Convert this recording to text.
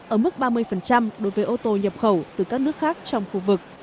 ở mức ba mươi đối với ô tô nhập khẩu từ các nước khác trong khu vực